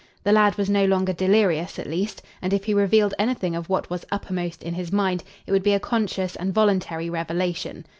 The lad was no longer delirious, at least, and if he revealed anything of what was uppermost in his mind it would be a conscious and voluntary revelation.